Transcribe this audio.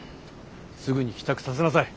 すぐに帰宅させなさい。